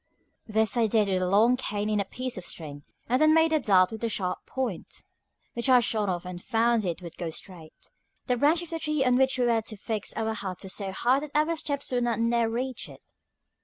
This I did with a long cane and a piece of string, and then made a dart with a sharp point, which I shot off and found it would go straight. The branch of the tree on which we were to fix our hut was so high that our steps would not near reach it.